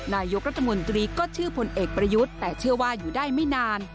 นายกรัฐมนตรีก็ชื่อพลเอกประยุทธ์แต่เชื่อว่าอยู่ได้ไม่นาน